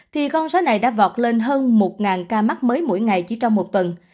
thì con số này đã vọt lên hơn một ca mắc mới mỗi ngày chỉ trong một tuần